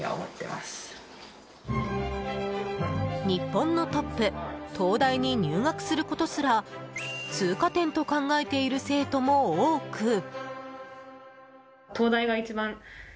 日本のトップ・東大に入学することすら通過点と考えている生徒も多く。